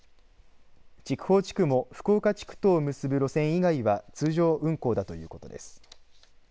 筑豊地区も福岡地区とを結ぶ路線以外は通常運行だということです。